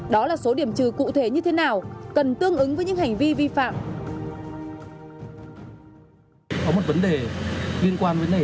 đó là số điểm trừ cụ thể như thế nào cần tương ứng với những hành vi vi phạm